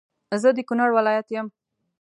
زه د کونړ ولایت يم